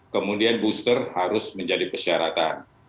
kemudian booster harus menjadi persyaratan